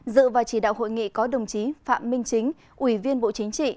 dự và chỉ đạo hội nghị có đồng chí phạm minh chính ủy viên bộ chính trị